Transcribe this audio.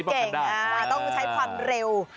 ต้องใช้ความเร็ว